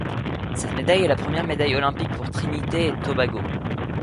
Cette médaille est la première médaille olympique pour Trinité-et-tobago.